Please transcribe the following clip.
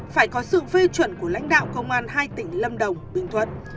phải có sự phê chuẩn của lãnh đạo công an hai tỉnh lâm đồng bình thuận